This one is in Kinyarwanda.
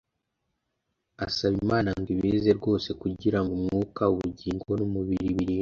asaba Imana ngo ibeza rwose kugira ngo “umwuka, ubugingo, n’umubiri birindwe,